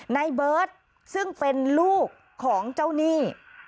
ในเบิร์ตซึ่งเป็นลูกของเจ้าหนี้